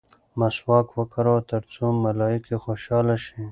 مسواک وکاروه ترڅو ملایکې خوشحاله شي.